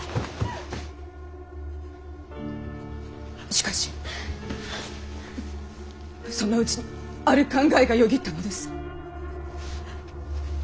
しかしそのうちにある考えがよぎったのです。